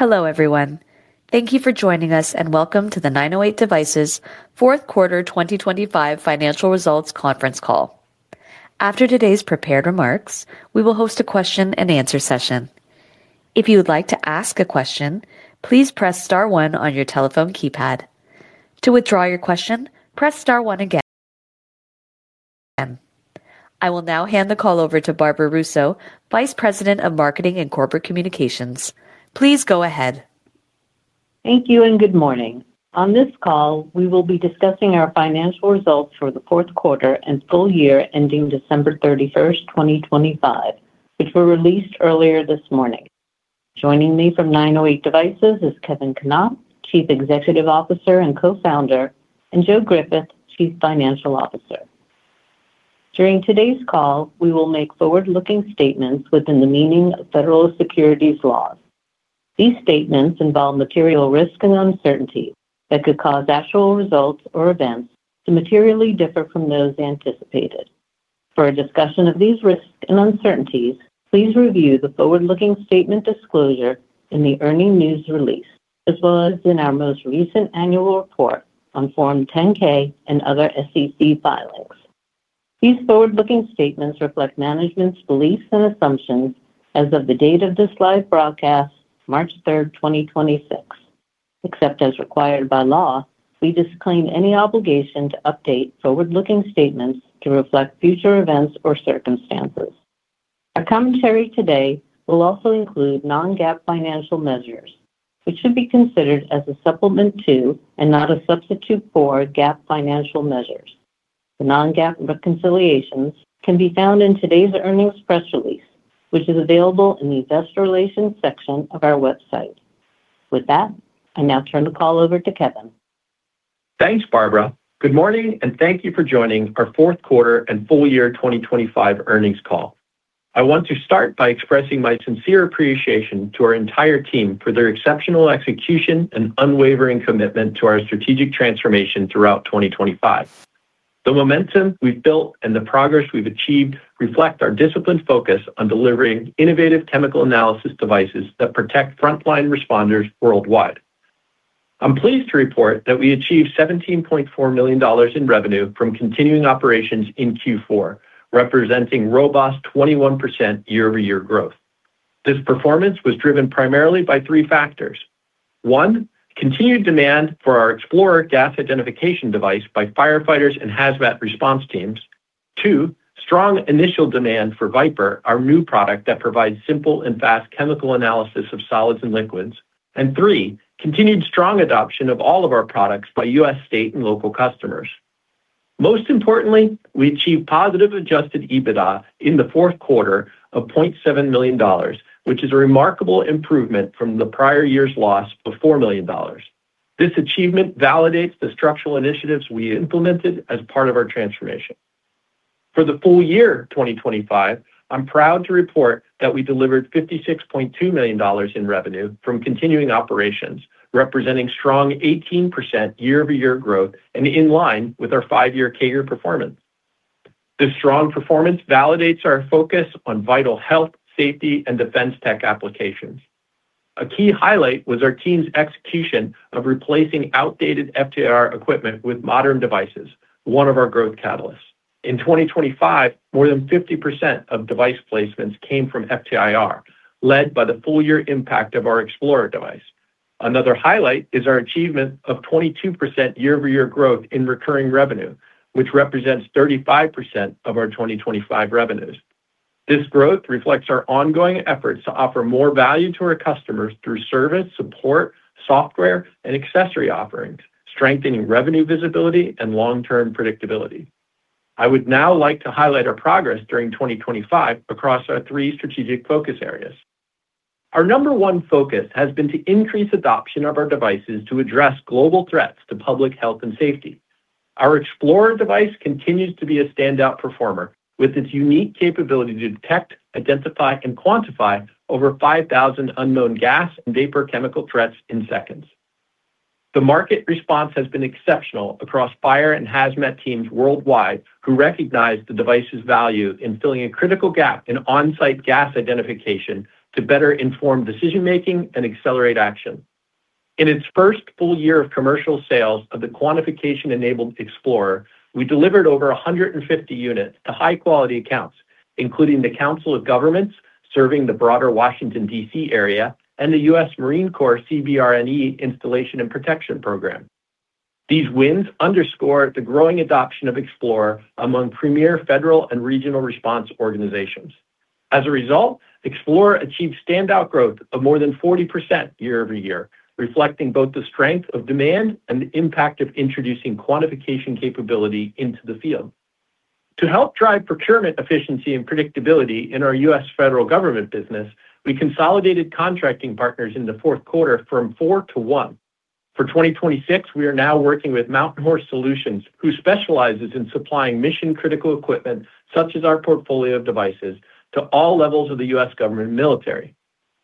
Hello, everyone. Thank you for joining us, and welcome to the 908 Devices Fourth Quarter 2025 Financial Results Conference Call. After today's prepared remarks, we will host a question-and-answer session. If you would like to ask a question, please press star one on your telephone keypad. To withdraw your question, press star one again. I will now hand the call over to Barbara Russo, Vice President of Marketing and Corporate Communications. Please go ahead. Thank you, and good morning. On this call, we will be discussing our financial results for the fourth quarter and full year ending December 31st, 2025, which were released earlier this morning. Joining me from 908 Devices is Kevin J. Knopp, Chief Executive Officer and Co-founder, and Joseph H. Griffith, Chief Financial Officer. During today's call, we will make forward-looking statements within the meaning of federal securities laws. These statements involve material risks and uncertainties that could cause actual results or events to materially differ from those anticipated. For a discussion of these risks and uncertainties, please review the forward-looking statement disclosure in the earning news release, as well as in our most recent annual report on Form 10-K and other SEC filings. These forward-looking statements reflect management's beliefs and assumptions as of the date of this live broadcast, March 3rd, 2026. Except as required by law, we disclaim any obligation to update forward-looking statements to reflect future events or circumstances. Our commentary today will also include non-GAAP financial measures, which should be considered as a supplement to and not a substitute for GAAP financial measures. The non-GAAP reconciliations can be found in today's earnings press release, which is available in the investor relations section of our website. With that, I now turn the call over to Kevin. Thanks, Barbara. Good morning, and thank you for joining our fourth quarter and full year 2025 earnings call. I want to start by expressing my sincere appreciation to our entire team for their exceptional execution and unwavering commitment to our strategic transformation throughout 2025. The momentum we've built and the progress we've achieved reflect our disciplined focus on delivering innovative chemical analysis devices that protect frontline responders worldwide. I'm pleased to report that we achieved $17.4 million in revenue from continuing operations in Q4, representing robust 21% year-over-year growth. This performance was driven primarily by three factors. One, continued demand for our XplorIR gas identification device by firefighters and hazmat response teams. Two, strong initial demand for VipIR, our new product that provides simple and fast chemical analysis of solids and liquids. Three, continued strong adoption of all of our products by U.S. state and local customers. Most importantly, we achieved positive Adjusted EBITDA in the fourth quarter of $0.7 million, which is a remarkable improvement from the prior year's loss of $4 million. This achievement validates the structural initiatives we implemented as part of our transformation. For the full year 2025, I'm proud to report that we delivered $56.2 million in revenue from continuing operations, representing strong 18% year-over-year growth and in line with our five-year CAGR performance. This strong performance validates our focus on vital health, safety, and defense tech applications. A key highlight was our team's execution of replacing outdated FTIR equipment with modern devices, one of our growth catalysts. In 2025, more than 50% of device placements came from FTIR, led by the full year impact of our XplorIR device. Another highlight is our achievement of 22% year-over-year growth in recurring revenue, which represents 35% of our 2025 revenues. This growth reflects our ongoing efforts to offer more value to our customers through service, support, software, and accessory offerings, strengthening revenue visibility and long-term predictability. I would now like to highlight our progress during 2025 across our three strategic focus areas. Our number one focus has been to increase adoption of our devices to address global threats to public health and safety. Our XplorIR device continues to be a standout performer, with its unique capability to detect, identify, and quantify over 5,000 unknown gas and vapor chemical threats in seconds. The market response has been exceptional across fire and hazmat teams worldwide who recognize the device's value in filling a critical gap in on-site gas identification to better inform decision-making and accelerate action. In its first full year of commercial sales of the quantification-enabled XplorIR, we delivered over 150 units to high-quality accounts, including the Council of Governments serving the broader Washington, D.C., area and the U.S. Marine Corps CBRNE Installation and Protection Program. These wins underscore the growing adoption of XplorIR among premier federal and regional response organizations. As a result, XplorIR achieved standout growth of more than 40% year-over-year, reflecting both the strength of demand and the impact of introducing quantification capability into the field. To help drive procurement efficiency and predictability in our U.S. federal government business, we consolidated contracting partners in the fourth quarter from four to one. For 2026, we are now working with Mountain Horse Solutions, who specializes in supplying mission-critical equipment, such as our portfolio of devices, to all levels of the U.S. government and military.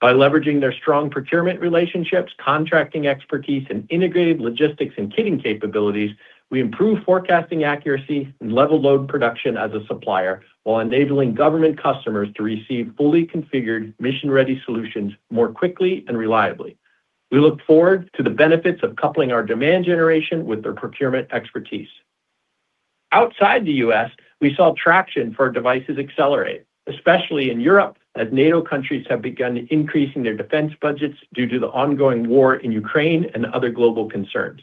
By leveraging their strong procurement relationships, contracting expertise, and integrated logistics and kitting capabilities, we improve forecasting accuracy and level load production as a supplier while enabling government customers to receive fully configured mission-ready solutions more quickly and reliably. We look forward to the benefits of coupling our demand generation with their procurement expertise. Outside the U.S., we saw traction for our devices accelerate, especially in Europe, as NATO countries have begun increasing their defense budgets due to the ongoing war in Ukraine and other global concerns.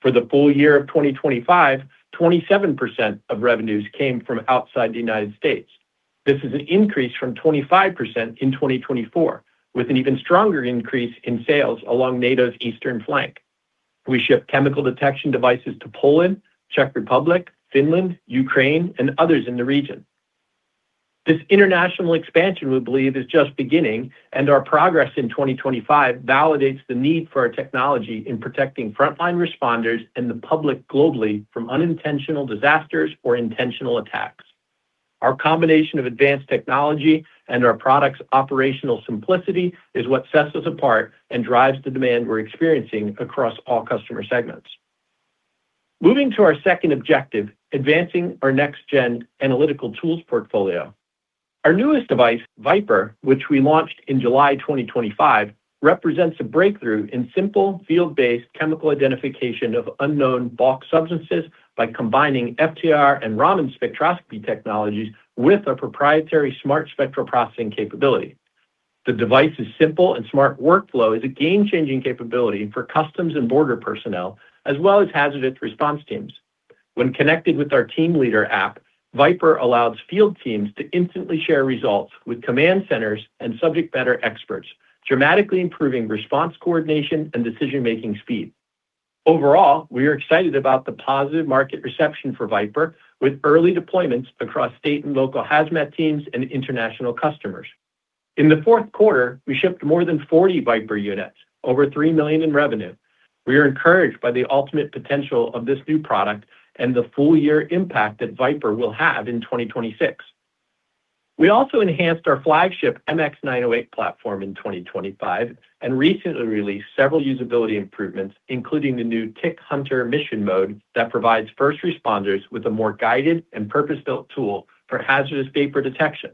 For the full year of 2025, 27% of revenues came from outside the United States. This is an increase from 25% in 2024, with an even stronger increase in sales along NATO's eastern flank. We ship chemical detection devices to Poland, Czech Republic, Finland, Ukraine, and others in the region. This international expansion, we believe, is just beginning. Our progress in 2025 validates the need for our technology in protecting frontline responders and the public globally from unintentional disasters or intentional attacks. Our combination of advanced technology and our product's operational simplicity is what sets us apart and drives the demand we're experiencing across all customer segments. Moving to our second objective, advancing our next-gen analytical tools portfolio. Our newest device, VipIR, which we launched in July 2025, represents a breakthrough in simple, field-based chemical identification of unknown bulk substances by combining FTIR and Raman spectroscopy technologies with our proprietary Smart Spectral Processing capability. The device's simple and smart workflow is a game-changing capability for customs and border personnel, as well as hazardous response teams. When connected with our Team Leader app, VipIR allows field teams to instantly share results with command centers and subject matter experts, dramatically improving response coordination and decision-making speed. Overall, we are excited about the positive market reception for VipIR, with early deployments across state and local HAZMAT teams and international customers. In the fourth quarter, we shipped more than 40 VipIR units, over $3 million in revenue. We are encouraged by the ultimate potential of this new product and the full year impact that VipIR will have in 2026. We also enhanced our flagship MX908 platform in 2025 and recently released several usability improvements, including the new Tick Hunter mission mode that provides first responders with a more guided and purpose-built tool for hazardous vapor detection.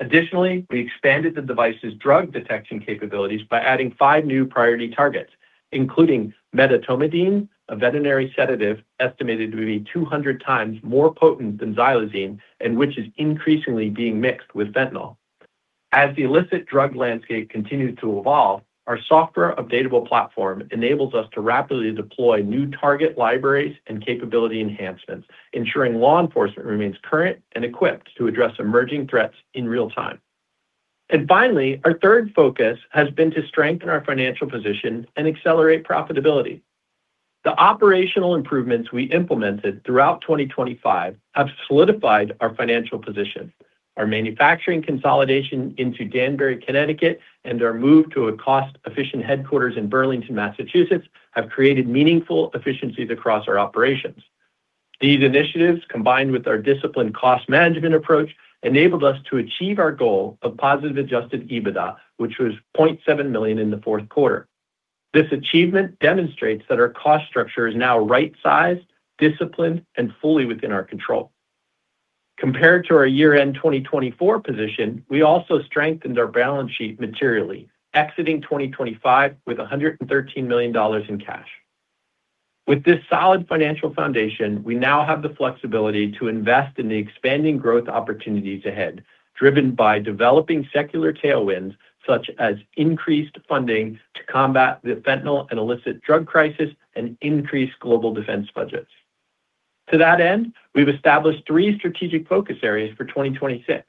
Additionally, we expanded the device's drug detection capabilities by adding five new priority targets, including medetomidine, a veterinary sedative estimated to be 200x more potent than xylazine and which is increasingly being mixed with fentanyl. As the illicit drug landscape continues to evolve, our software updatable platform enables us to rapidly deploy new target libraries and capability enhancements, ensuring law enforcement remains current and equipped to address emerging threats in real time. Finally, our third focus has been to strengthen our financial position and accelerate profitability. The operational improvements we implemented throughout 2025 have solidified our financial position. Our manufacturing consolidation into Danbury, Connecticut, and our move to a cost-efficient headquarters in Burlington, Massachusetts, have created meaningful efficiencies across our operations. These initiatives, combined with our disciplined cost management approach, enabled us to achieve our goal of positive Adjusted EBITDA, which was $0.7 million in the fourth quarter. This achievement demonstrates that our cost structure is now right-sized, disciplined, and fully within our control. Compared to our year-end 2024 position, we also strengthened our balance sheet materially, exiting 2025 with $113 million in cash. With this solid financial foundation, we now have the flexibility to invest in the expanding growth opportunities ahead, driven by developing secular tailwinds, such as increased funding to combat the fentanyl and illicit drug crisis and increased global defense budgets. To that end, we've established three strategic focus areas for 2026.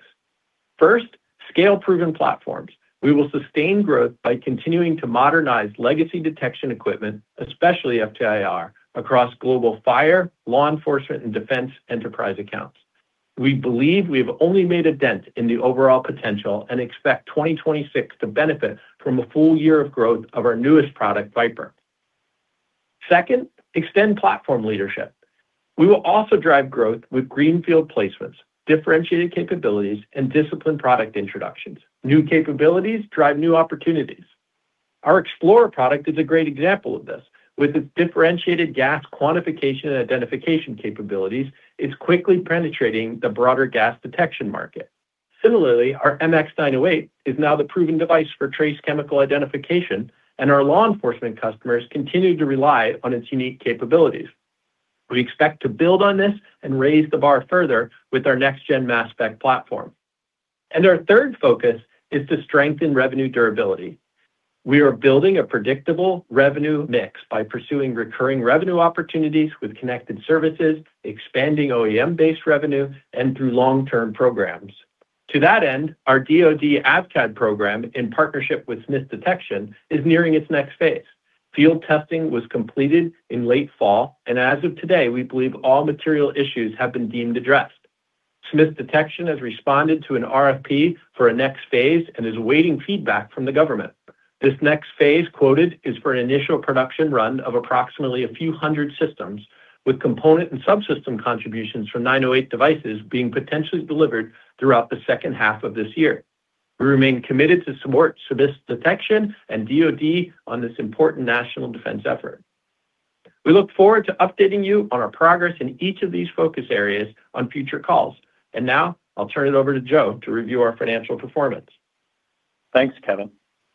First, scale proven platforms. We will sustain growth by continuing to modernize legacy detection equipment, especially FTIR, across global fire, law enforcement, and defense enterprise accounts. We believe we have only made a dent in the overall potential and expect 2026 to benefit from a full year of growth of our newest product, VipIR. Second, extend platform leadership. We will also drive growth with greenfield placements, differentiated capabilities, and disciplined product introductions. New capabilities drive new opportunities. Our XplorIR product is a great example of this. With its differentiated gas quantification and identification capabilities, it's quickly penetrating the broader gas detection market. Similarly, our MX908 is now the proven device for trace chemical identification, and our law enforcement customers continue to rely on its unique capabilities. We expect to build on this and raise the bar further with our next gen mass spec platform. Our third focus is to strengthen revenue durability. We are building a predictable revenue mix by pursuing recurring revenue opportunities with connected services, expanding OEM-based revenue, and through long-term programs. To that end, our DoD AVCAD program, in partnership with Smiths Detection, is nearing its next phase. As of today, we believe all material issues have been deemed addressed. Smiths Detection has responded to an RFP for a next phase and is awaiting feedback from the government. This next phase quoted is for an initial production run of approximately a few hundred systems, with component and subsystem contributions from 908 Devices being potentially delivered throughout the second half of this year. We remain committed to support Smiths Detection and DoD on this important national defense effort. We look forward to updating you on our progress in each of these focus areas on future calls. Now I'll turn it over to Joe to review our financial performance. Thanks, Kevin.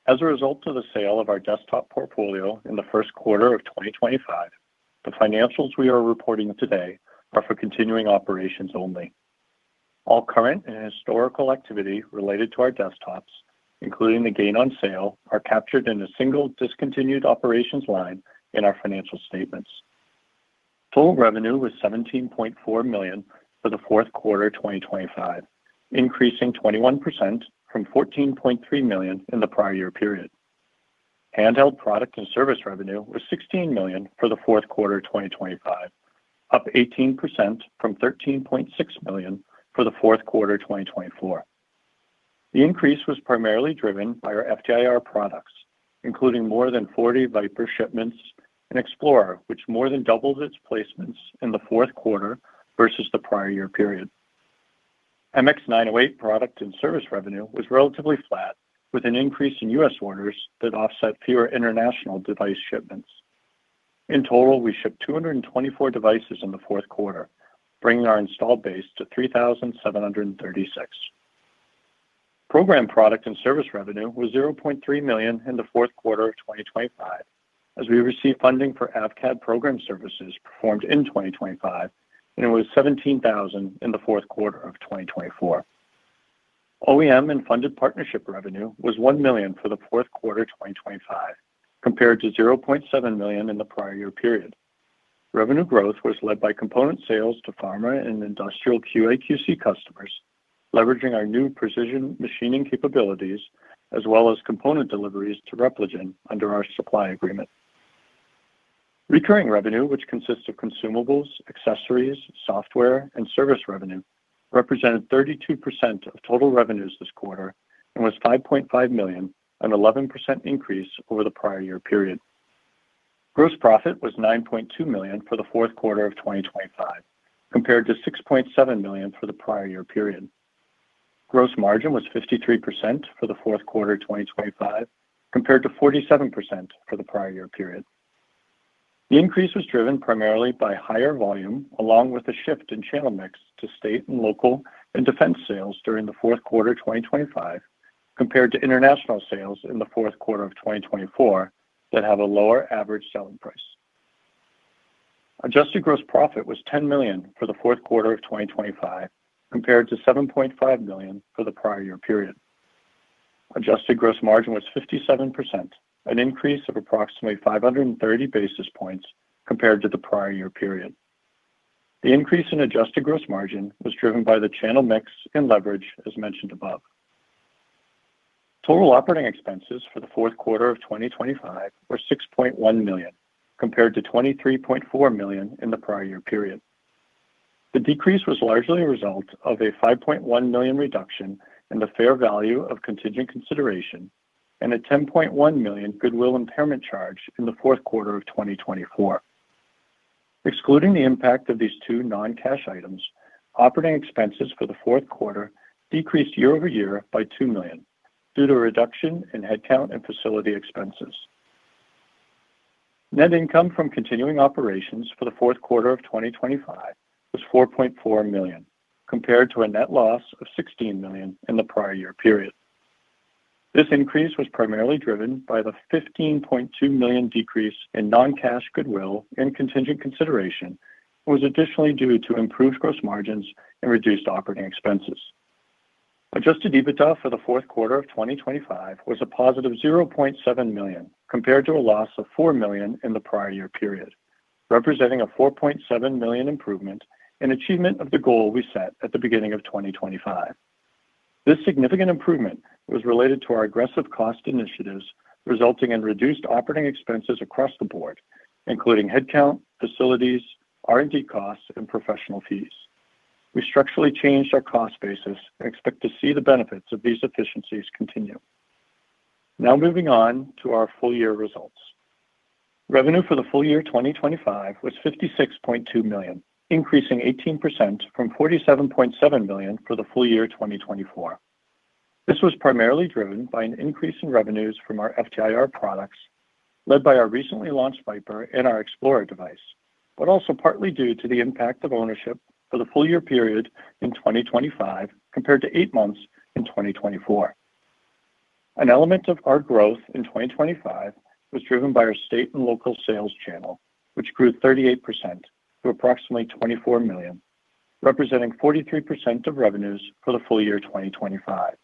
As a result of the sale of our desktop portfolio in the first quarter of 2025, the financials we are reporting today are for continuing operations only. All current and historical activity related to our desktops, including the gain on sale, are captured in a single discontinued operations line in our financial statements. Total revenue was $17.4 million for the fourth quarter 2025, increasing 21% from $14.3 million in the prior year period. Handheld product and service revenue was $16 million for the fourth quarter 2025, up 18% from $13.6 million for the fourth quarter 2024. The increase was primarily driven by our FTIR products, including more than 40 VipIR shipments and XplorIR, which more than doubled its placements in the fourth quarter versus the prior year period. MX908 product and service revenue was relatively flat, with an increase in U.S. orders that offset fewer international device shipments. In total, we shipped 224 devices in the fourth quarter, bringing our installed base to 3,736. Program product and service revenue was $0.3 million in the fourth quarter of 2025, as we received funding for AVCAD program services performed in 2025, and it was $17,000 in the fourth quarter of 2024. OEM and funded partnership revenue was $1 million for the fourth quarter 2025, compared to $0.7 million in the prior year period. Revenue growth was led by component sales to pharma and industrial QA/QC customers, leveraging our new precision machining capabilities as well as component deliveries to Repligen under our supply agreement. Recurring revenue, which consists of consumables, accessories, software, and service revenue, represented 32% of total revenues this quarter and was $5.5 million, an 11% increase over the prior year period. Gross profit was $9.2 million for the fourth quarter of 2025, compared to $6.7 million for the prior year period. Gross margin was 53% for the fourth quarter 2025, compared to 47% for the prior year period. The increase was driven primarily by higher volume along with a shift in channel mix to state and local and defense sales during the fourth quarter 2025, compared to international sales in the fourth quarter of 2024 that have a lower average selling price. Adjusted gross profit was $10 million for the fourth quarter of 2025, compared to $7.5 million for the prior year period. Adjusted gross margin was 57%, an increase of approximately 530 basis points compared to the prior year period. The increase in adjusted gross margin was driven by the channel mix and leverage, as mentioned above. Total operating expenses for the fourth quarter of 2025 were $6.1 million, compared to $23.4 million in the prior year period. The decrease was largely a result of a $5.1 million reduction in the fair value of contingent consideration and a $10.1 million goodwill impairment charge in the fourth quarter of 2024. Excluding the impact of these two non-cash items, operating expenses for the fourth quarter decreased year-over-year by $2 million due to a reduction in headcount and facility expenses. Net income from continuing operations for the fourth quarter of 2025 was $4.4 million, compared to a net loss of $16 million in the prior year period. This increase was primarily driven by the $15.2 million decrease in non-cash goodwill and contingent consideration, and was additionally due to improved gross margins and reduced operating expenses. Adjusted EBITDA for the fourth quarter of 2025 was a positive $0.7 million, compared to a loss of $4 million in the prior year period, representing a $4.7 million improvement and achievement of the goal we set at the beginning of 2025. This significant improvement was related to our aggressive cost initiatives, resulting in reduced operating expenses across the board, including headcount, facilities, R&D costs, and professional fees. We structurally changed our cost basis and expect to see the benefits of these efficiencies continue. Now moving on to our full year results. Revenue for the full year 2025 was $56.2 million, increasing 18% from $47.7 million for the full year 2024. This was primarily driven by an increase in revenues from our FTIR products, led by our recently launched VipIR and our XplorIR device, but also partly due to the impact of ownership for the full year period in 2025 compared to 8 months in 2024. An element of our growth in 2025 was driven by our state and local sales channel, which grew 38% to approximately $24 million, representing 43% of revenues for the full year 2025,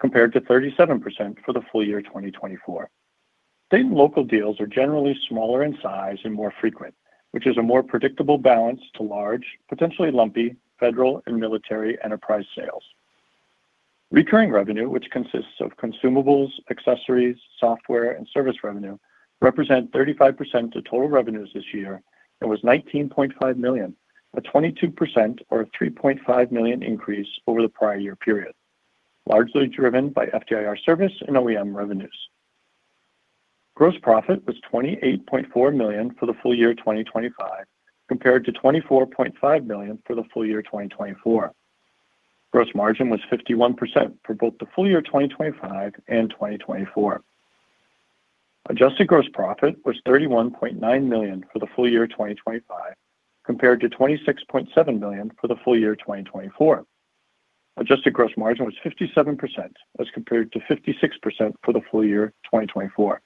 compared to 37% for the full year 2024. State and local deals are generally smaller in size and more frequent, which is a more predictable balance to large, potentially lumpy federal and military enterprise sales. Recurring revenue, which consists of consumables, accessories, software, and service revenue, represent 35% of total revenues this year and was $19.5 million, a 22% or $3.5 million increase over the prior year period, largely driven by FTIR service and OEM revenues. Gross profit was $28.4 million for the full year 2025, compared to $24.5 million for the full year 2024. Gross margin was 51% for both the full year 2025 and 2024. Adjusted gross profit was $31.9 million for the full year 2025, compared to $26.7 million for the full year 2024. Adjusted gross margin was 57% as compared to 56% for the full year 2024.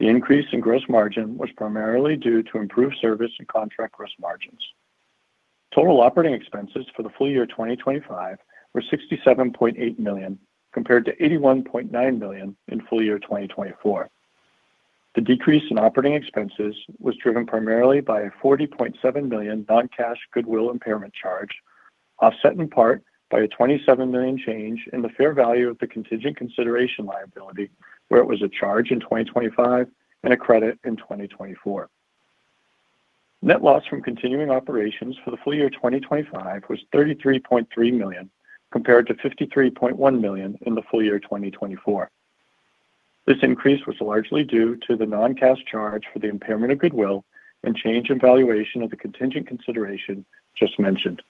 The increase in gross margin was primarily due to improved service and contract gross margins. Total operating expenses for the full year 2025 were $67.8 million, compared to $81.9 million in full year 2024. The decrease in operating expenses was driven primarily by a $40.7 million non-cash goodwill impairment charge, offset in part by a $27 million change in the fair value of the contingent consideration liability, where it was a charge in 2025 and a credit in 2024. Net loss from continuing operations for the full year 2025 was $33.3 million, compared to $53.1 million in the full year 2024. This increase was largely due to the non-cash charge for the impairment of goodwill and change in valuation of the contingent consideration just mentioned.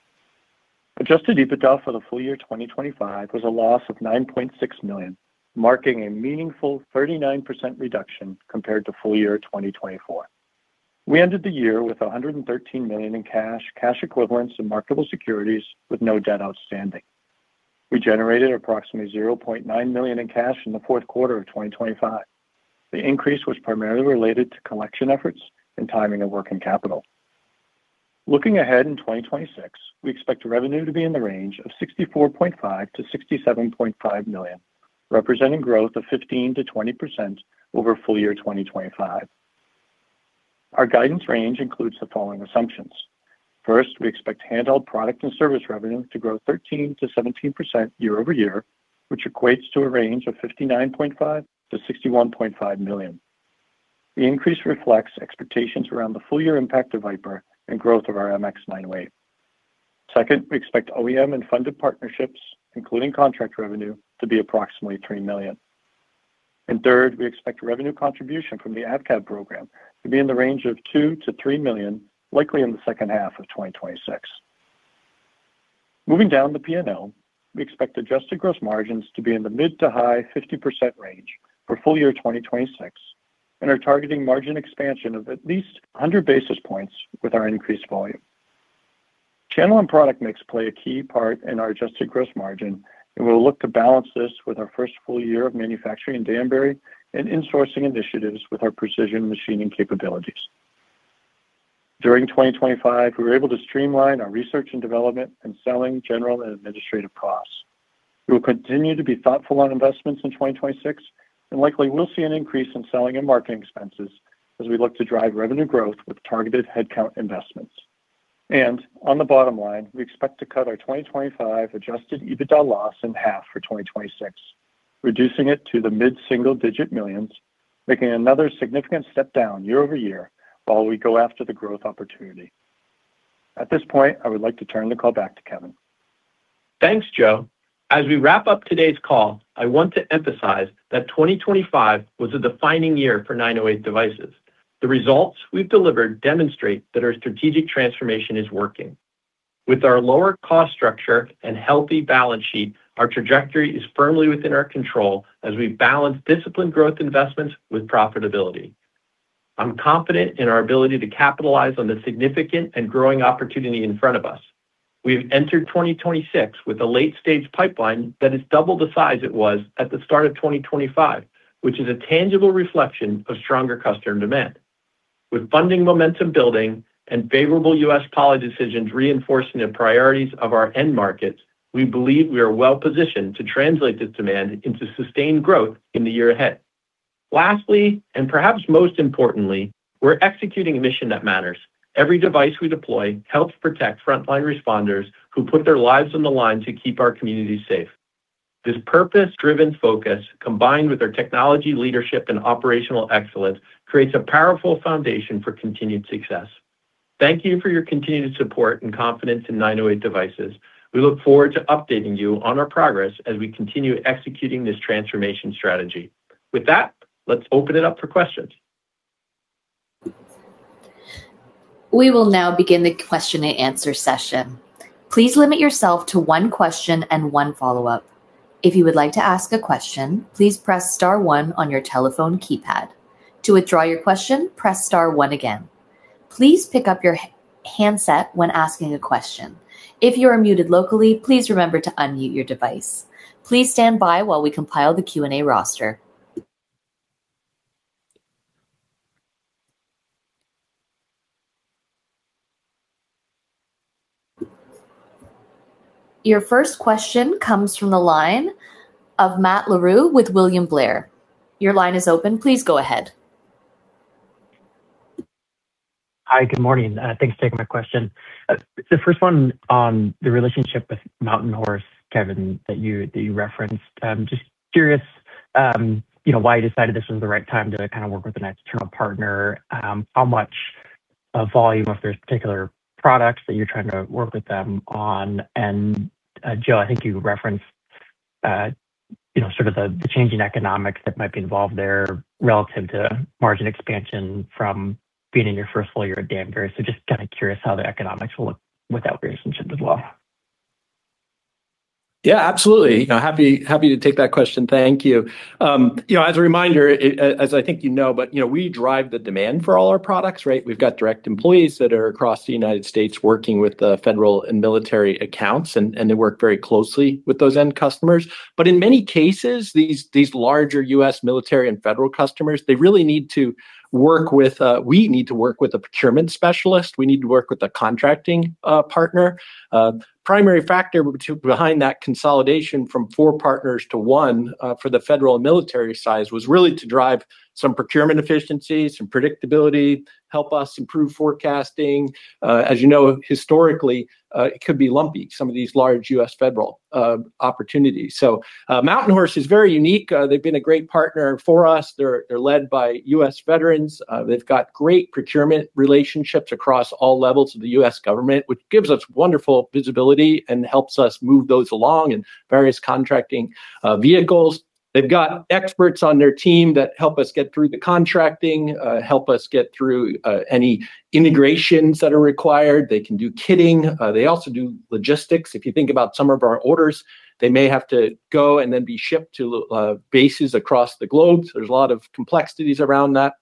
Adjusted EBITDA for the full year 2025 was a loss of $9.6 million, marking a meaningful 39% reduction compared to full year 2024. We ended the year with $113 million in cash equivalents, and marketable securities, with no debt outstanding. We generated approximately $0.9 million in cash in the fourth quarter of 2025. The increase was primarily related to collection efforts and timing of working capital. Looking ahead in 2026, we expect revenue to be in the range of $64.5 million-$67.5 million, representing growth of 15%-20% over full year 2025. Our guidance range includes the following assumptions. First, we expect handheld product and service revenue to grow 13%-17% year-over-year, which equates to a range of $59.5 million-$61.5 million. The increase reflects expectations around the full year impact of VipIR and growth of our MX908. Second, we expect OEM and funded partnerships, including contract revenue, to be approximately $3 million. Third, we expect revenue contribution from the AVCAD program to be in the range of $2 million-$3 million, likely in the second half of 2026. Moving down the P&L, we expect adjusted gross margins to be in the mid-to-high 50% range for full year 2026 and are targeting margin expansion of at least 100 basis points with our increased volume. Channel and product mix play a key part in our adjusted gross margin. We'll look to balance this with our first full year of manufacturing in Danbury and insourcing initiatives with our precision machining capabilities. During 2025, we were able to streamline our research and development and selling general and administrative costs. We will continue to be thoughtful on investments in 2026, likely we'll see an increase in selling and marketing expenses as we look to drive revenue growth with targeted headcount investments. On the bottom line, we expect to cut our 2025 Adjusted EBITDA loss in half for 2026, reducing it to the $mid-single digit millions, making another significant step down year-over-year while we go after the growth opportunity. At this point, I would like to turn the call back to Kevin Knopp. Thanks, Joe. As we wrap up today's call, I want to emphasize that 2025 was a defining year for 908 Devices. The results we've delivered demonstrate that our strategic transformation is working. With our lower cost structure and healthy balance sheet, our trajectory is firmly within our control as we balance disciplined growth investments with profitability. I'm confident in our ability to capitalize on the significant and growing opportunity in front of us. We have entered 2026 with a late-stage pipeline that is double the size it was at the start of 2025, which is a tangible reflection of stronger customer demand. With funding momentum building and favorable U.S. policy decisions reinforcing the priorities of our end markets, we believe we are well positioned to translate this demand into sustained growth in the year ahead. Lastly, perhaps most importantly, we're executing a mission that matters. Every device we deploy helps protect frontline responders who put their lives on the line to keep our communities safe. This purpose-driven focus, combined with our technology leadership and operational excellence, creates a powerful foundation for continued success. Thank you for your continued support and confidence in 908 Devices. We look forward to updating you on our progress as we continue executing this transformation strategy. With that, let's open it up for questions. We will now begin the question-and-answer session. Please limit yourself to one question and one follow-up. If you would like to ask a question, please press star one on your telephone keypad. To withdraw your question, press star one again. Please pick up your handset when asking a question. If you are muted locally, please remember to unmute your device. Please stand by while we compile the Q&A roster. Your first question comes from the line of Matt Larew with William Blair. Your line is open. Please go ahead. Hi. Good morning. Thanks for taking my question. The first one on the relationship with Mountain Horse, Kevin, that you referenced. Just curious, you know, why you decided this was the right time to kind of work with an external partner? How much of volume of their particular products that you're trying to work with them on? Joe, I think you referenced you know, sort of the changing economics that might be involved there relative to margin expansion from being in your first full year at Danbury. Just kind of curious how the economics will look without various relationships as well? Yeah, absolutely. You know, happy to take that question. Thank you. You know, as a reminder, as I think you know, but, you know, we drive the demand for all our products, right? We've got direct employees that are across the United States working with the federal and military accounts and they work very closely with those end customers. In many cases, these larger U.S. military and federal customers, they really need to work with, we need to work with a procurement specialist. We need to work with a contracting partner. Primary factor behind that consolidation from four partners to one for the federal and military size was really to drive some procurement efficiency, some predictability, help us improve forecasting. As you know, historically, it could be lumpy, some of these large U.S. federal opportunities. Mountain Horse is very unique. They've been a great partner for us. They're led by U.S. veterans. They've got great procurement relationships across all levels of the U.S. government, which gives us wonderful visibility and helps us move those along in various contracting vehicles. They've got experts on their team that help us get through the contracting, help us get through any integrations that are required. They can do kitting. They also do logistics. If you think about some of our orders, they may have to go and then be shipped to bases across the globe. There's a lot of complexities around that.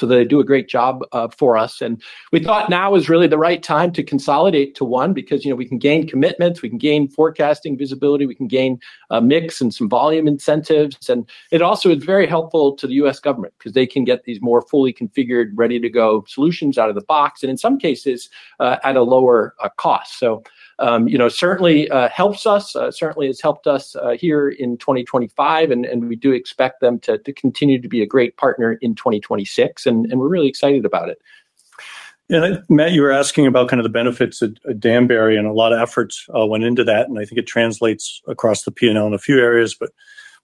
They do a great job for us. We thought now is really the right time to consolidate to one because, you know, we can gain commitments, we can gain forecasting visibility, we can gain mix and some volume incentives. It also is very helpful to the U.S. government 'cause they can get these more fully configured, ready-to-go solutions out of the box, and in some cases, at a lower cost. You know, certainly helps us. Certainly has helped us here in 2025, and we do expect them to continue to be a great partner in 2026, and we're really excited about it. Yeah. Matt, you were asking about kind of the benefits at Danbury. A lot of efforts went into that, and I think it translates across the P&L in a few areas, but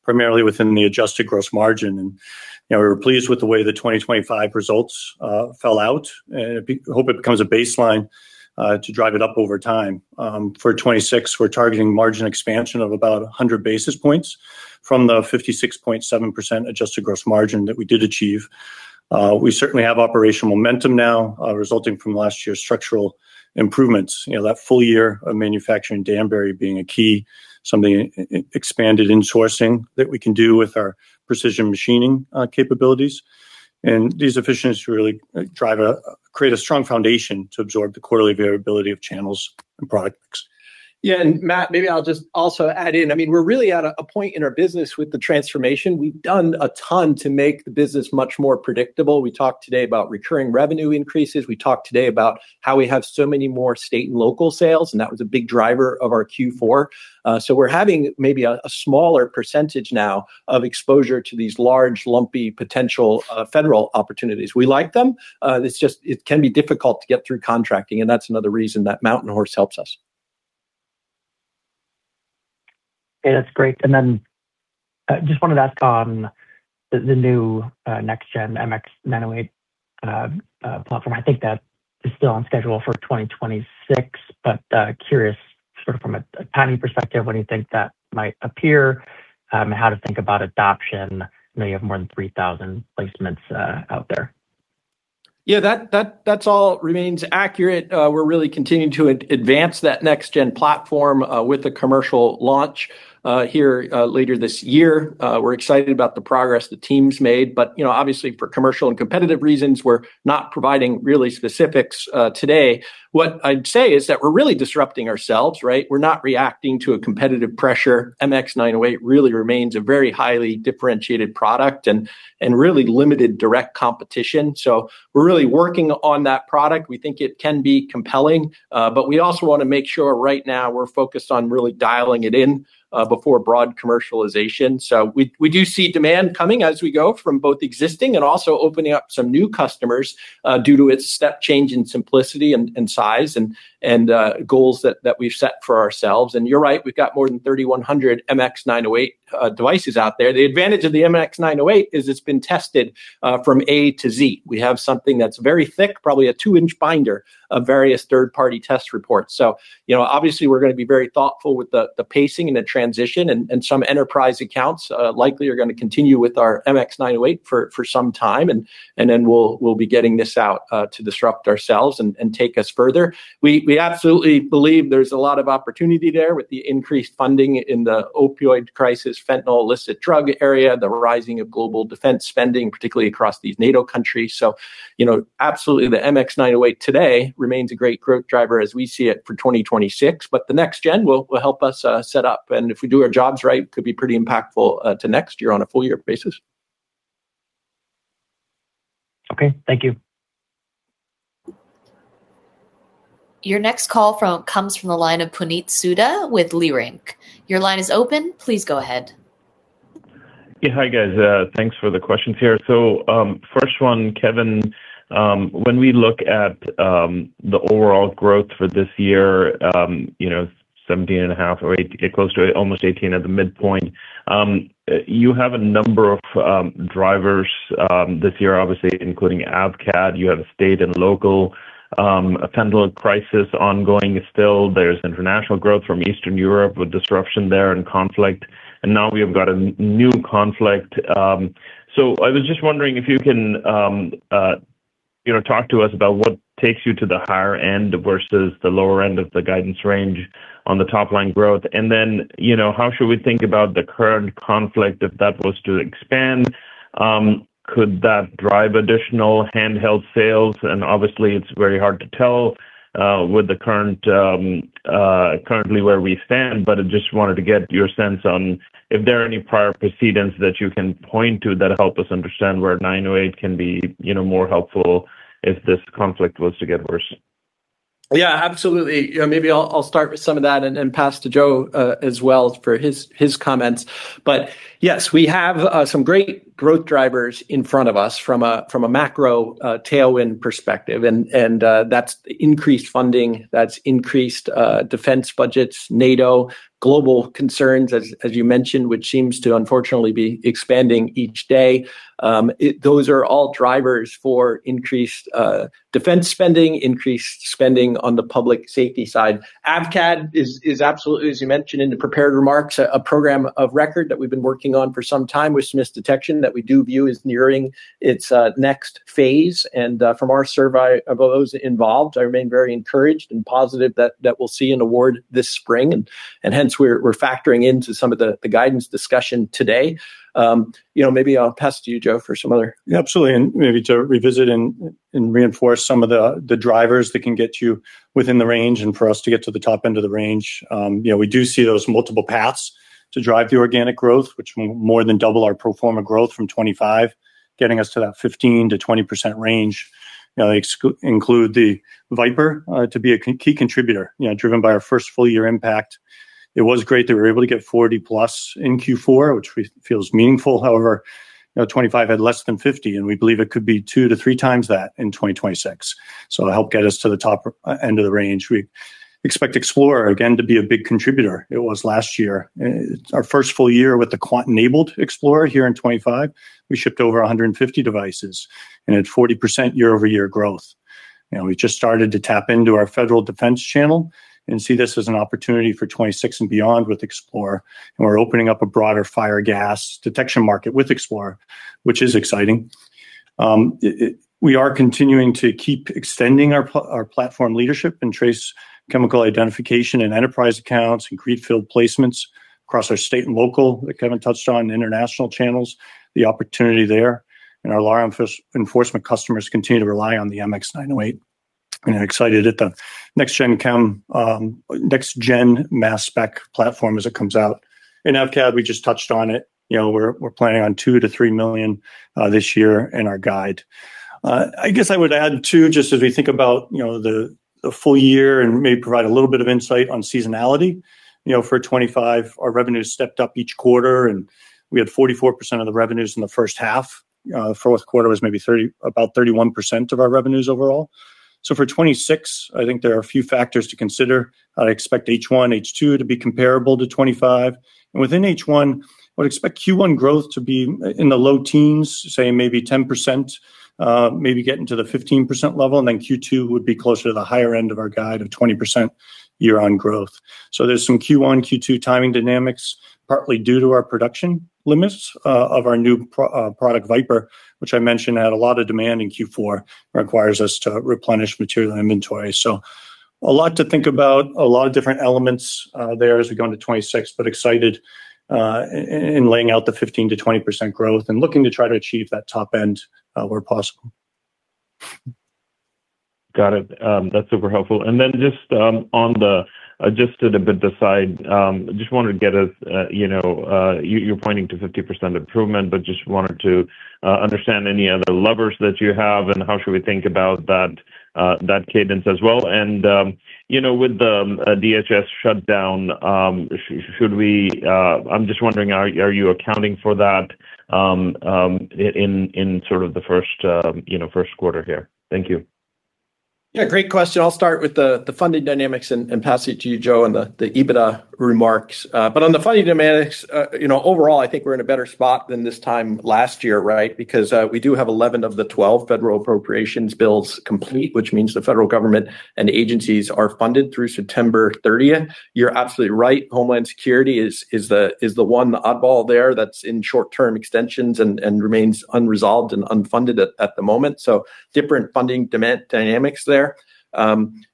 primarily within the adjusted gross margin. You know, we were pleased with the way the 2025 results fell out, and hope it becomes a baseline to drive it up over time. For 2026, we're targeting margin expansion of about 100 basis points from the 56.7% adjusted gross margin that we did achieve. We certainly have operational momentum now, resulting from last year's structural improvements. You know, that full year of manufacturing Danbury being a key, something expanded insourcing that we can do with our precision machining capabilities. These efficiencies really drive create a strong foundation to absorb the quarterly variability of channels and product mix. Yeah. Matt, maybe I'll just also add in. I mean, we're really at a point in our business with the transformation. We've done a ton to make the business much more predictable. We talked today about recurring revenue increases. We talked today about how we have so many more state and local sales, and that was a big driver of our Q4. So we're having maybe a smaller percentage now of exposure to these large, lumpy potential federal opportunities. We like them. It's just, it can be difficult to get through contracting, and that's another reason that Mountain Horse helps us. Yeah, that's great. just wanted to ask on the new, next gen MX908 platform. I think that is still on schedule for 2026. curious sort of from a timing perspective, when you think that might appear, how to think about adoption. I know you have more than 3,000 placements out there. Yeah, that's all remains accurate. We're really continuing to advance that next gen platform with the commercial launch here later this year. We're excited about the progress the team's made. You know, obviously for commercial and competitive reasons, we're not providing really specifics today. What I'd say is that we're really disrupting ourselves, right? We're not reacting to a competitive pressure. MX908 really remains a very highly differentiated product and really limited direct competition. We're really working on that product. We think it can be compelling, but we also wanna make sure right now we're focused on really dialing it in before broad commercialization. We do see demand coming as we go from both existing and also opening up some new customers due to its step change in simplicity and size and goals that we've set for ourselves. You're right, we've got more than 3,100 MX908 devices out there. The advantage of the MX908 is it's been tested from A-Z. We have something that's very thick, probably a two-inch binder of various third-party test reports. You know, obviously we're gonna be very thoughtful with the pacing and the transition, and some enterprise accounts likely are gonna continue with our MX908 for some time, and then we'll be getting this out to disrupt ourselves and take us further. We absolutely believe there's a lot of opportunity there with the increased funding in the opioid crisis, fentanyl, illicit drug area, the rising of global defense spending, particularly across these NATO countries. You know, absolutely the MX908 today remains a great growth driver as we see it for 2026. The next gen will help us set up, and if we do our jobs right, could be pretty impactful to next year on a full year basis. Okay. Thank you. Your next call comes from the line of Puneet Souda with Leerink. Your line is open. Please go ahead. Yeah. Hi, guys. thanks for the questions here. first one, Kevin, when we look at the overall growth for this year, you know, 17 and a half or close to almost 18 at the midpoint, you have a number of drivers this year, obviously including AVCAD. You have state and local a fentanyl crisis ongoing still. There's international growth from Eastern Europe with disruption there and conflict, and now we have got a new conflict. I was just wondering if you can, you know, talk to us about what takes you to the higher end versus the lower end of the guidance range on the top-line growth. how should we think about the current conflict if that was to expand? Could that drive additional handheld sales? Obviously, it's very hard to tell with the current currently where we stand, but I just wanted to get your sense on if there are any prior precedents that you can point to that help us understand where 908 can be, you know, more helpful if this conflict was to get worse? Yeah, absolutely. You know, maybe I'll start with some of that and pass to Joe as well for his comments. Yes, we have some great growth drivers in front of us from a macro tailwind perspective. That's increased funding, that's increased defense budgets, NATO, global concerns, as you mentioned, which seems to unfortunately be expanding each day. Those are all drivers for increased defense spending, increased spending on the public safety side. AVCAD is absolutely, as you mentioned in the prepared remarks, a program of record that we've been working on for some time with Smiths Detection that we do view as nearing its next phase. From our survey of those involved, I remain very encouraged and positive that we'll see an award this spring, and hence we're factoring into some of the guidance discussion today. You know, maybe I'll pass to you, Joe, for some other. Yeah, absolutely. Maybe to revisit and reinforce some of the drivers that can get you within the range and for us to get to the top end of the range. You know, we do see those multiple paths to drive the organic growth, which will more than double our pro forma growth from 2025, getting us to that 15%-20% range. Include the VipIR to be a key contributor. You know, driven by our first full year impact. It was great that we were able to get 40+ in Q4, which feels meaningful. However, you know, 2025 had less than 50, and we believe it could be 2x-3x that in 2026. It'll help get us to the top end of the range. We expect XplorIR again to be a big contributor. It was last year. Our first full year with the Quant-enabled XplorIR here in 2025, we shipped over 150 devices and at 40% year-over-year growth. You know, we just started to tap into our federal defense channel and see this as an opportunity for 2026 and beyond with XplorIR. We're opening up a broader fire gas detection market with XplorIR, which is exciting. We are continuing to keep extending our platform leadership and trace chemical identification and enterprise accounts and greenfield placements across our state and local, that Kevin touched on, international channels, the opportunity there, and our law enforcement customers continue to rely on the MX908. Excited at the next-gen chem, next-gen mass spec platform as it comes out. In AVCAD, we just touched on it. You know, we're planning on $2 million-$3 million this year in our guide. I guess I would add too, just as we think about, you know, the full year and maybe provide a little bit of insight on seasonality. You know, for 2025, our revenues stepped up each quarter. We had 44% of the revenues in the first half. The fourth quarter was maybe about 31% of our revenues overall. For 2026, I think there are a few factors to consider. I'd expect H1, H2 to be comparable to 2025. Within H1, I would expect Q1 growth to be in the low teens, say maybe 10%, maybe getting to the 15% level. Q2 would be closer to the higher end of our guide of 20% year-on growth. There's some Q1, Q2 timing dynamics, partly due to our production limits of our new product VipIR, which I mentioned had a lot of demand in Q4, requires us to replenish material and inventory. A lot to think about, a lot of different elements, there as we go into 2026, but excited, in laying out the 15%-20% growth and looking to try to achieve that top end, where possible. Got it. That's super helpful. Just, just to the bit the side, just wanted to get a, you know, you're pointing to 50% improvement, but just wanted to understand any other levers that you have and how should we think about that cadence as well. You know, with the DHS shutdown, should we... I'm just wondering are you accounting for that in sort of the first, you know, first quarter here? Thank you. Great question. I'll start with the funding dynamics and pass it to you, Joe, on the EBITDA remarks. On the funding dynamics, you know, overall, I think we're in a better spot than this time last year, right? Because we do have 11 of the 12 federal appropriations bills complete, which means the federal government and agencies are funded through September 30th. You're absolutely right. Homeland Security is the one oddball there that's in short-term extensions and remains unresolved and unfunded at the moment. Different funding demand dynamics there.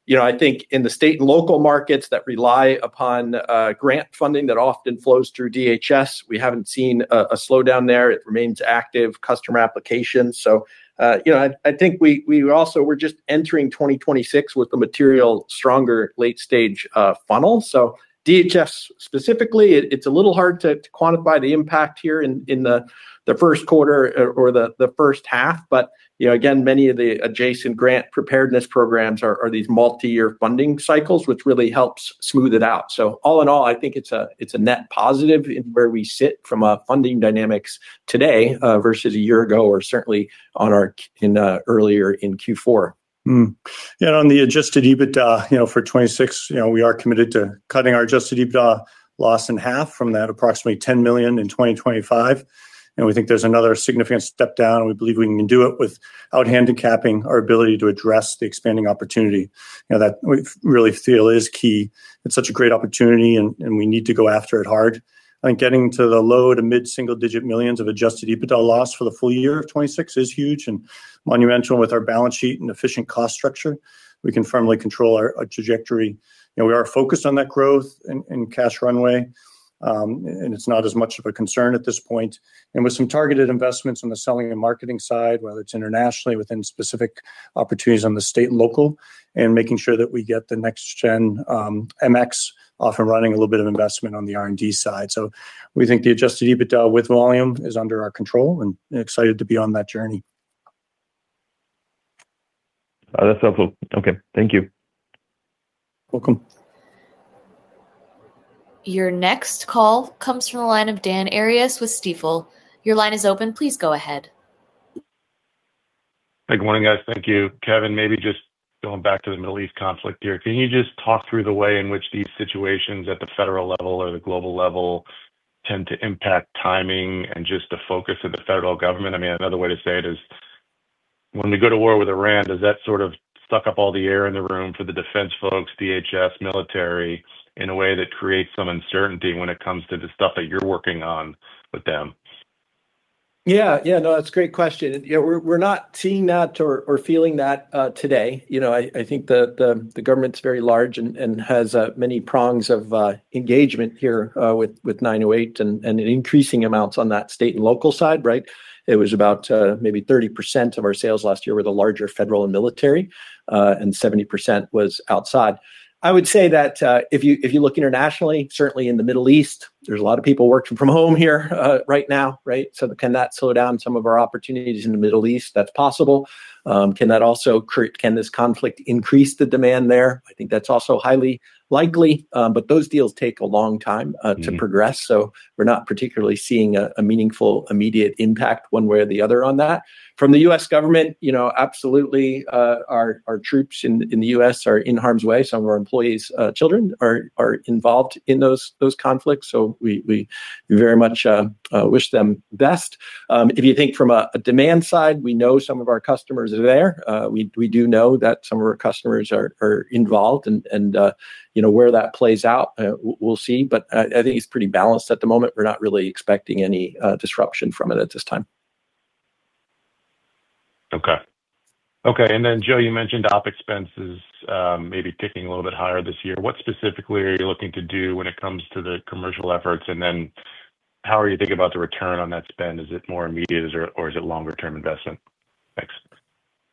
You know, I think in the state and local markets that rely upon grant funding that often flows through DHS, we haven't seen a slowdown there. It remains active customer applications. You know, I think we also were just entering 2026 with the material stronger late-stage funnel. DHS specifically, it's a little hard to quantify the impact here in the first quarter or the first half. You know, again, many of the adjacent grant preparedness programs are these multi-year funding cycles, which really helps smooth it out. All in all, I think it's a net positive in where we sit from a funding dynamics today versus a year ago or certainly earlier in Q4. Yeah, on the Adjusted EBITDA, you know, for 2026, you know, we are committed to cutting our Adjusted EBITDA loss in half from that approximately $10 million in 2025, and we think there's another significant step down, and we believe we can do it without handicapping our ability to address the expanding opportunity. You know, that we really feel is key. It's such a great opportunity and we need to go after it hard. I think getting to the low to mid single-digit millions of Adjusted EBITDA loss for the full year of 2026 is huge and monumental. With our balance sheet and efficient cost structure, we can firmly control our trajectory. You know, we are focused on that growth and cash runway, and it's not as much of a concern at this point. With some targeted investments on the selling and marketing side, whether it's internationally within specific opportunities on the state and local, and making sure that we get the next-gen MX off and running a little bit of investment on the R&D side. We think the Adjusted EBITDA with volume is under our control and excited to be on that journey. That's helpful. Okay. Thank you. Welcome. Your next call comes from the line of Dan Arias with Stifel. Your line is open. Please go ahead. Good morning, guys. Thank you. Kevin, maybe just going back to the Middle East conflict here. Can you just talk through the way in which these situations at the federal level or the global level tend to impact timing and just the focus of the federal government? I mean, another way to say it is when we go to war with Iran, does that sort of suck up all the air in the room for the defense folks, DHS, military, in a way that creates some uncertainty when it comes to the stuff that you're working on with them? Yeah. Yeah, no, that's a great question. You know, we're not seeing that or feeling that today. You know, I think the government's very large and has many prongs of engagement here with 908 Devices and increasing amounts on that state and local side, right? It was about maybe 30% of our sales last year were the larger federal and military, and 70% was outside. I would say that if you look internationally, certainly in the Middle East, there's a lot of people working from home here right now, right? Can that slow down some of our opportunities in the Middle East? That's possible. Can that also, can this conflict increase the demand there? I think that's also highly likely. Those deals take a long time. Mm-hmm... to progress. We're not particularly seeing a meaningful immediate impact one way or the other on that. From the U.S. government, you know, absolutely, our troops in the U.S. are in harm's way. Some of our employees' children are involved in those conflicts. We very much wish them best. If you think from a demand side, we know some of our customers are there. We do know that some of our customers are involved and, you know, where that plays out, we'll see. I think it's pretty balanced at the moment. We're not really expecting any disruption from it at this time. Okay. Okay. Joe, you mentioned OpEx, maybe ticking a little bit higher this year. What specifically are you looking to do when it comes to the commercial efforts? How are you thinking about the return on that spend? Is it more immediate or is it longer term investment? Thanks.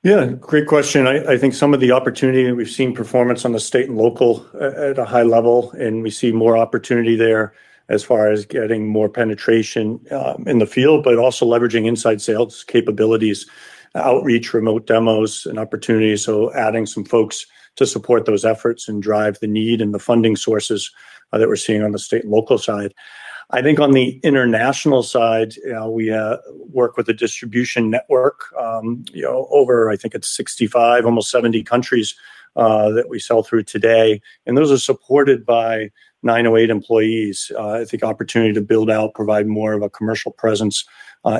Yeah, great question. I think some of the opportunity, and we've seen performance on the state and local at a high level, and we see more opportunity there as far as getting more penetration in the field, but also leveraging inside sales capabilities, outreach, remote demos and opportunities. Adding some folks to support those efforts and drive the need and the funding sources that we're seeing on the state and local side. I think on the international side, we work with a distribution network, you know, over I think it's 65, almost 70 countries that we sell through today. Those are supported by 908 employees. I think opportunity to build out, provide more of a commercial presence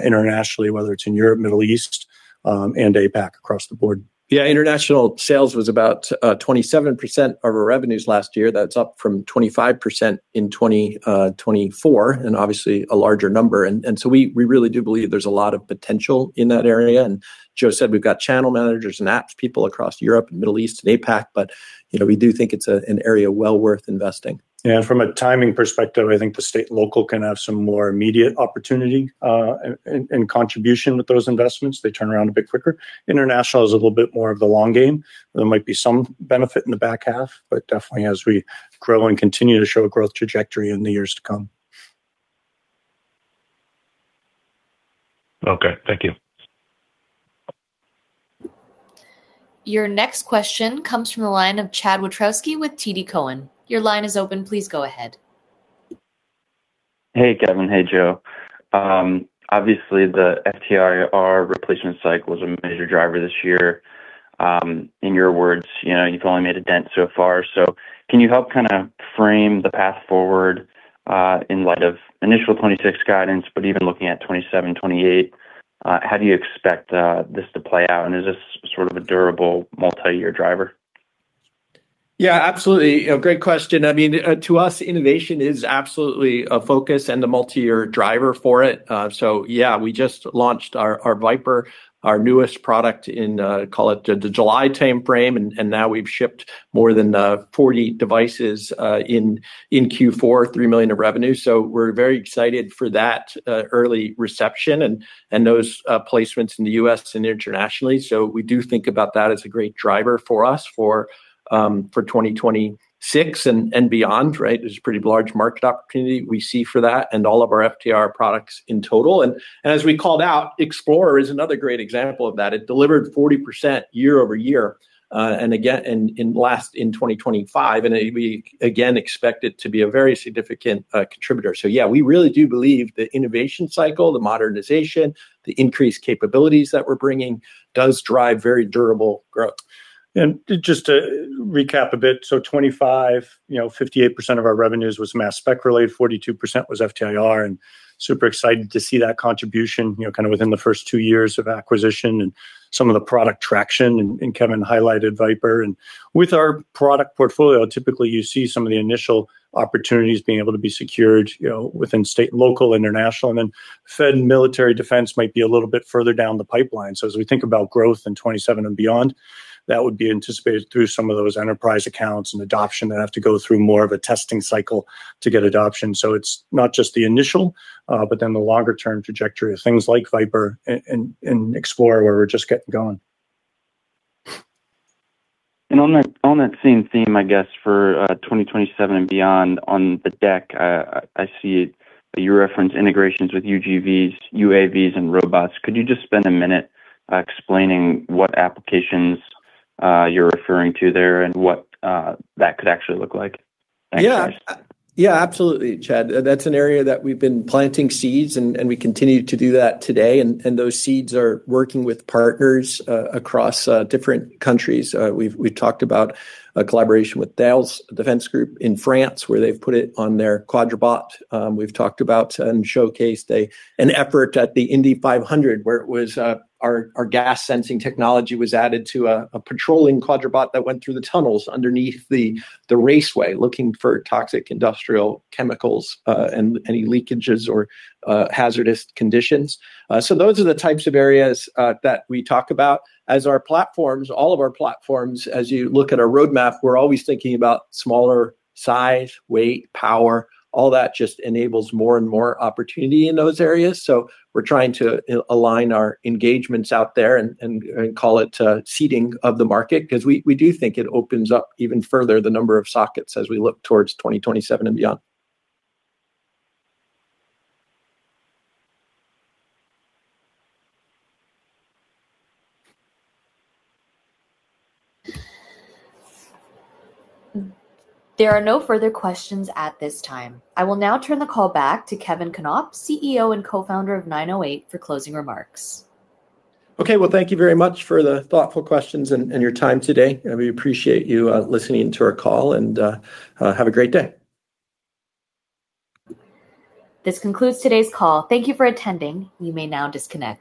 internationally, whether it's in Europe, Middle East, and APAC across the board. International sales was about 27% of our revenues last year. That's up from 25% in 2024, and obviously a larger number. So we really do believe there's a lot of potential in that area. Joe said we've got channel managers and apps people across Europe and Middle East and APAC. You know, we do think it's an area well worth investing. Yeah. From a timing perspective, I think the state and local can have some more immediate opportunity, and contribution with those investments. They turn around a bit quicker. International is a little bit more of the long game. There might be some benefit in the back half, but definitely as we grow and continue to show a growth trajectory in the years to come. Okay. Thank you. Your next question comes from the line of Chad Wiatrowski with TD Cowen. Your line is open. Please go ahead. Hey, Kevin. Hey, Joe. Obviously, the FTIR replacement cycle is a major driver this year. In your words, you know, you've only made a dent so far. Can you help kinda frame the path forward in light of initial 26 guidance, but even looking at 27, 28, how do you expect this to play out? Is this sort of a durable multi-year driver? Yeah, absolutely. You know, great question. I mean, to us, innovation is absolutely a focus and the multi-year driver for it. So yeah, we just launched our VipIR, our newest product in, call it the July timeframe. Now we've shipped more than 40 devices in Q4, $3 million of revenue. We're very excited for that early reception and those placements in the U.S. and internationally. We do think about that as a great driver for us for 2026 and beyond, right? There's a pretty large market opportunity we see for that and all of our FTIR products in total. As we called out, XplorIR is another great example of that. It delivered 40% year-over-year, in 2025, and we again expect it to be a very significant contributor. Yeah, we really do believe the innovation cycle, the modernization, the increased capabilities that we're bringing does drive very durable growth. Just to recap a bit, 25, you know, 58% of our revenues was mass spec related, 42% was FTIR. Super excited to see that contribution, you know, kind of within the first two years of acquisition and some of the product traction, and Kevin highlighted VipIR. With our product portfolio, typically you see some of the initial opportunities being able to be secured, you know, within state and local, international, and then fed and military defense might be a little bit further down the pipeline. As we think about growth in 2027 and beyond, that would be anticipated through some of those enterprise accounts and adoption that have to go through more of a testing cycle to get adoption. It's not just the initial, but then the longer term trajectory of things like VipIR and XplorIR, where we're just getting going. On that same theme, I guess, for 2027 and beyond on the deck, I see you reference integrations with UGVs, UAVs, and robots. Could you just spend a minute explaining what applications you're referring to there and what that could actually look like? Thanks. Yeah. Yeah, absolutely, Chad. That's an area that we've been planting seeds and we continue to do that today and those seeds are working with partners across different countries. We've, we've talked about a collaboration with Thales Defense Group in France, where they've put it on their quadruped robot. We've talked about and showcased an effort at the Indy 500, where it was our gas sensing technology was added to a patrolling quadruped robot that went through the tunnels underneath the raceway looking for toxic industrial chemicals and any leakages or hazardous conditions. Those are the types of areas that we talk about. As our platforms, all of our platforms, as you look at our roadmap, we're always thinking about smaller size, weight, power, all that just enables more and more opportunity in those areas. We're trying to align our engagements out there and call it seeding of the market because we do think it opens up even further the number of sockets as we look towards 2027 and beyond. There are no further questions at this time. I will now turn the call back to Kevin Knopp, CEO and co-founder of 908 Devices for closing remarks. Thank you very much for the thoughtful questions and your time today. We appreciate you listening to our call and have a great day. This concludes today's call. Thank you for attending. You may now disconnect.